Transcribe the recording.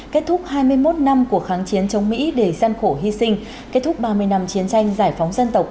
kết thúc hai mươi một năm cuộc kháng chiến chống mỹ đầy gian khổ hy sinh kết thúc ba mươi năm chiến tranh giải phóng dân tộc